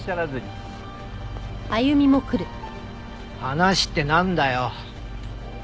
話ってなんだよ？